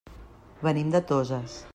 Venim de Toses.